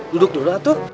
duduk dulu atuh